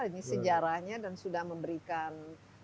ini sejarahnya dan sudah memberikan